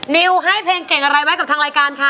นิวให้เพลงเก่งอะไรไว้กับทางรายการคะ